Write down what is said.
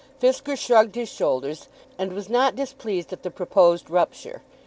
Fisker shrugged his shoulders, and was not displeased at the proposed rupture.